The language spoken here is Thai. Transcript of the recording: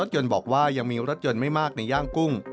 ยังมีรถยนต์ไม่มากในย่างกุ้ง